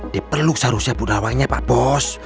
diperluk seharusnya bu nawangnya pak bos